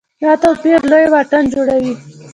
دا توپیر لوی واټن جوړوي.